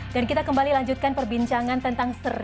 dan kita kembali lanjutkan perbincangan tentang